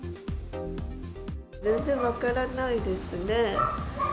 全然分からないですね。